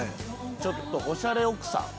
ちょっとオシャレ奥さん。